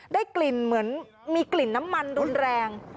ได้กลิ่นเหมือนมีกลิ่นน้ำมันรุนแรง